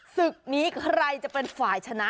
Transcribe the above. ศึกนี้ใครจะเป็นฝ่ายชนะ